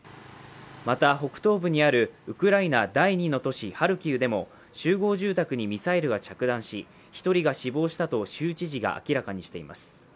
また北東部にあるウクライナ第２の都市・ハルキウにも集合住宅にミサイルが着弾し、１人が死亡したと州知事が明らかにしています。